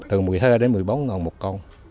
từ một mươi hai đến một mươi bốn ngàn một con